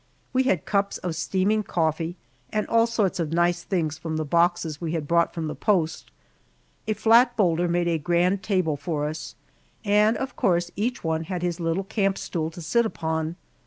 We had cups of steaming coffee and all sorts of nice things from the boxes we had brought from the post. A flat boulder made a grand table for us, and of course each one had his little camp stool to sit upon.